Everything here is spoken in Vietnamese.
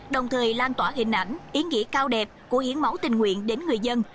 đồng thời lan tỏa hình ảnh ý nghĩa cao đẹp của hiến máu tình nguyện đến người dân